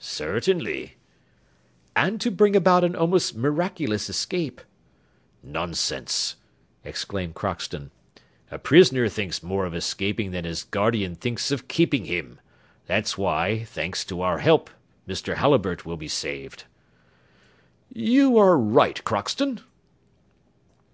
"Certainly." "And to bring about an almost miraculous escape." "Nonsense," exclaimed Crockston; "a prisoner thinks more of escaping than his guardian thinks of keeping him; that's why, thanks to our help, Mr. Halliburtt will be saved." "You are right, Crockston."